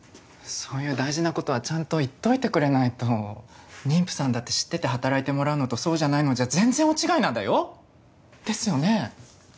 そういう大事なことはちゃんと言っといてくれないと妊婦さんだって知ってて働いてもらうのとそうじゃないのじゃ全然大違いなんだよですよね？